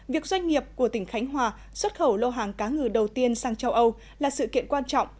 việc doanh nghiệp của tỉnh khánh hòa xuất khẩu lô hàng cá ngừ đầu tiên sang châu âu là sự kiện quan trọng